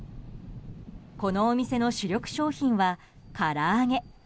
このお店の主力商品はから揚げ。